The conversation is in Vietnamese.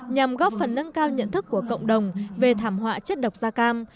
nhằm góp phần nâng cao nhận thức của cộng đồng về thảm họa chất độc da cam